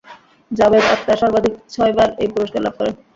জাভেদ আখতার সর্বাধিক ছয়বার এই পুরস্কার লাভ করেন।